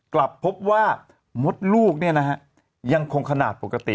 กลับพบว่ามดลูกยังคงขนาดปกติ